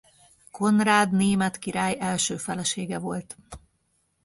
Konrád német király első felesége volt.